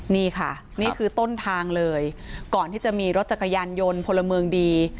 นี่ค่ะนี่คือต้นทางเลยก่อนที่จะมีรถจักรยานยนต์พลเมืองดี